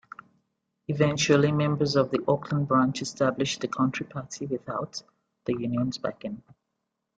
Eventually members of the Auckland branch established the Country Party without the Union's backing.